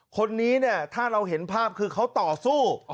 คนนี้เนี่ยถ้าเราเห็นภาพคือเขาต่อสู้